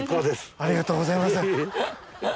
ありがとうございます。